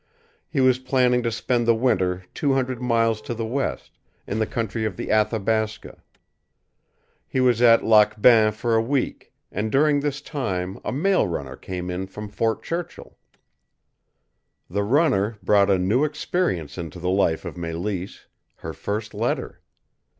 He was planning to spend the winter two hundred miles to the west, in the country of the Athabasca. He was at Lac Bain for a week, and during this time a mail runner came in from Fort Churchill. The runner brought a new experience into the life of Mélisse her first letter.